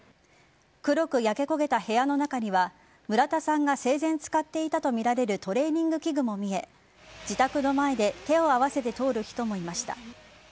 黒く焼け焦げた部屋の中には村田さんが生前使っていたとみられるトレーニング器具も見え自宅の前で手を合わせて通る人もいました。